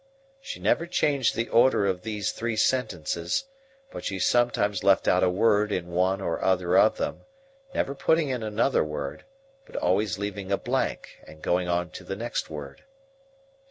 '" She never changed the order of these three sentences, but she sometimes left out a word in one or other of them; never putting in another word, but always leaving a blank and going on to the next word.